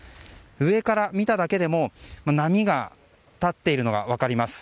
上から見ただけでも波が立っているのが分かります。